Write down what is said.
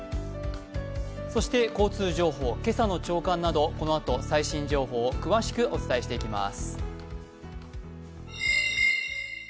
そして交通情報、今朝の朝刊などこのあと最新情報を詳しくお伝えしていきます